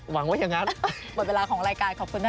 หวังว่ายังงั้น